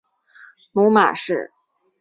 母马氏。